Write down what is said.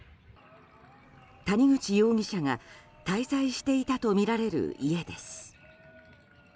谷口容疑者が滞在していたとみられる家です。